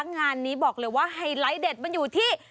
งานนี้บอกเลยว่าไฮไลท์เด็ดมันอยู่ที่